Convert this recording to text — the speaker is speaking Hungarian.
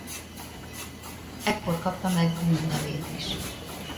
Ekkor kapta meg új nevét is.